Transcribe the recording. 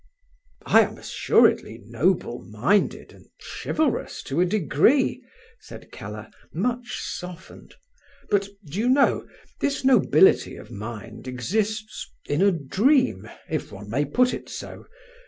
"I am assuredly noble minded, and chivalrous to a degree!" said Keller, much softened. "But, do you know, this nobility of mind exists in a dream, if one may put it so?